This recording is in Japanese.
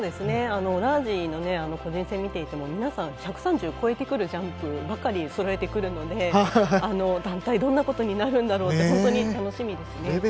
ラージの個人戦を見ていても皆さん１３０を越えてくるジャンプばかりそろえてくるので団体、どんなことになるだろうと本当に楽しみですね。